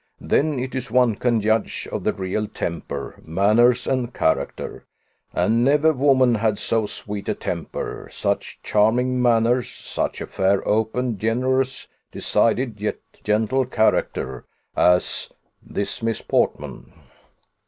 Then it is one can judge of the real temper, manners, and character; and never woman had so sweet a temper, such charming manners, such a fair, open, generous, decided yet gentle character, as this Miss Portman."